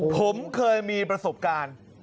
ผมเคยมีประสบการณ์